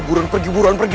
buruan pergi buruan pergi